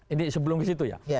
ini sebelum ke situ ya